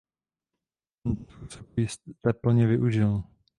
Tento způsob jste plně využil.